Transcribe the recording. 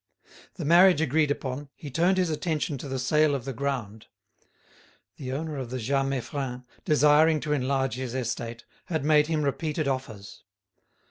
The marriage agreed upon, he turned his attention to the sale of the ground. The owner of the Jas Meiffren, desiring to enlarge his estate, had made him repeated offers.